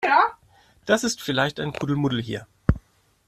Das ist vielleicht ein Kuddelmuddel hier.